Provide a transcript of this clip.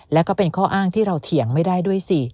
แล้วก็เป็นข้ออ้างที่เราเถียงไม่ได้ด้วยสิ